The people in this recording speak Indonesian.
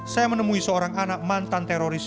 saya menemui seorang anak mantan teroris